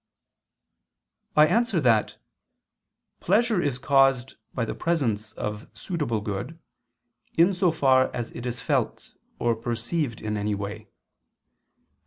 I answer that, Pleasure is caused by the presence of suitable good, in so far as it is felt, or perceived in any way.